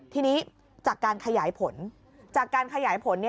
ทีนี้จากการขยายผลจากการขยายผล